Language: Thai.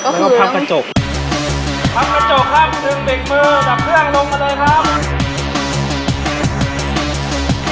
แล้วก็ทำกระจกทำกระจกครับดึงเบรกมือดับเครื่องลงมาเลยครับ